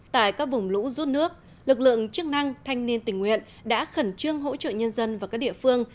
tại các vùng lũ rút nước lực lượng chức năng thanh niên tình nguyện đã khẩn trương hỗ trợ nhân dân và các địa phương